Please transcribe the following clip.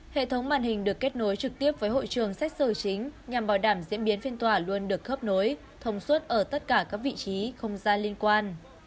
hệ thống màn hình được kết nối trực tiếp với hội trường xét xử chính nhằm bảo đảm diễn biến phiên tòa luôn được khớp nối thông suốt ở tất cả các vị trí không gian liên quan